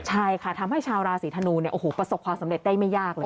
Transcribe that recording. ใช่ค่ะทำให้ชาวราศีธนูเนี่ยโอ้โหประสบความสำเร็จได้ไม่ยากเลย